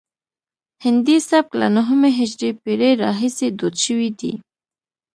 هندي سبک له نهمې هجري پیړۍ راهیسې دود شوی دی